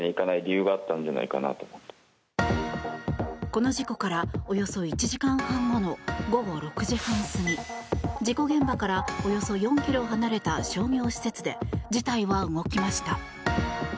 この事故からおよそ１時間半後の午後６時半過ぎ事故現場からおよそ４ｋｍ離れた商業施設で事態は動きました。